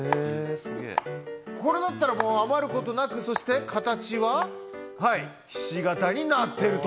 これだったらもう余ることなくそして形ははいひし形になってると。